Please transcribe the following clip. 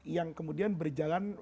yang kemudian berjalan